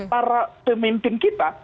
para pemimpin kita